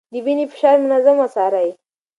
د وينې فشار منظم وڅارئ.